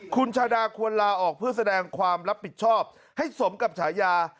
คุณชาดาควรลาออกเพื่อแสดงความรับผิดชอบให้สมกับฉายา